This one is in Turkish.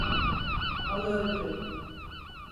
Onu öldürün.